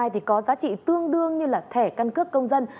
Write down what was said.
thì có giá trị tương đương như là thẻ căn cước công dân